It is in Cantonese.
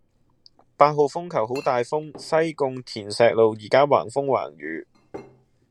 八號風球好大風，西貢田石路依家橫風橫雨